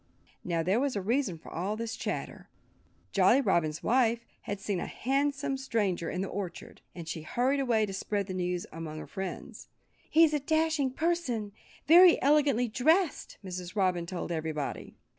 Now, there was a reason for all this chatter. Jolly Robin's wife had seen a handsome stranger in the orchard. And she had hurried away to spread the news among her friends. "He's a dashing person, very elegantly dressed," Mrs. Robin told everybody.